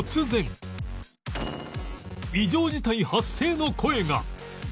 「異常事態発生！」の声が